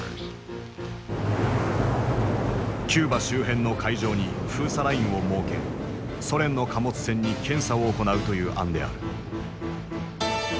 キューバ周辺の海上に封鎖ラインを設けソ連の貨物船に検査を行うという案である。